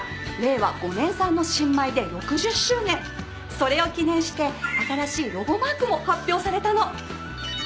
それを記念して新しいロゴマークも発表されたの。